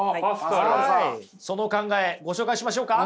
その考えご紹介しましょうか？